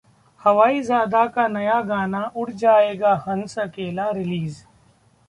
'हवाईजादा' का नया गाना ‘उड़ जाएगा हंस अकेला’ रिलीज